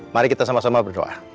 mari kita sama sama berdoa